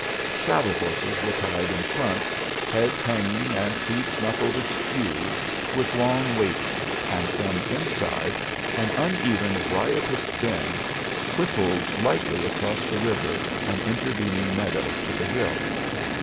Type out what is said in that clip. Saddle horses were tied in front, heads hanging and feet knuckled askew with long waiting, and from inside an uneven, riotous din whiffled lightly across the river and intervening meadow to the hill.